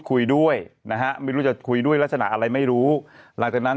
คุยด้วยนะฮะไม่รู้จะคุยด้วยลักษณะอะไรไม่รู้หลังจากนั้น